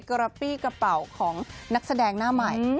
ราปี้กระเป๋าของนักแสดงหน้าใหม่